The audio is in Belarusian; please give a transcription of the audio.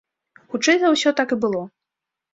Хутчэй за ўсё, так і было.